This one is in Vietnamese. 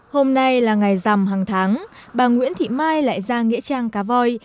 hôm nay là ngày rằm hàng tháng bà nguyễn thị mai lại ra nghĩa trang cá voi